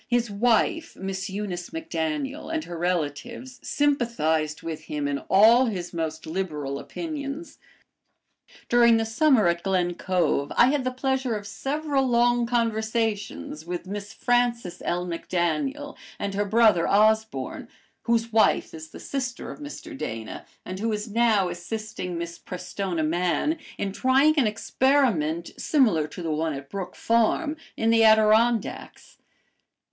His wife, Miss Eunice MacDaniel, and her relatives sympathized with him in all his most liberal opinions. During the summer at Glen Cove I had the pleasure of several long conversations with Miss Frances L. MacDaniel and her brother Osborne, whose wife is the sister of Mr. Dana, and who is now assisting Miss Prestona Mann in trying an experiment, similar to the one at Brook Farm, in the Adirondacks.